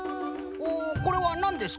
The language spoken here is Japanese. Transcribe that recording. おおこれはなんですか？